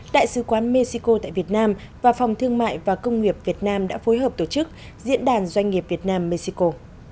đại sứ quán mexico tại việt nam và phòng thương mại và công nghiệp việt nam đã phối hợp tổ chức diễn đàn doanh nghiệp việt nam mexico